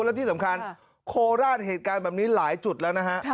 และที่สำคัญโคราชเหตุการณ์แบบนี้หลายจุดแล้วนะฮะ